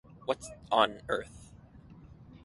What's "on" Earth?